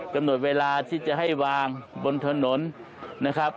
กำหนดเวลาที่จะให้วางบนถนนนะครับ